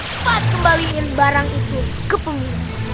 cepat kembaliin barang itu ke punggung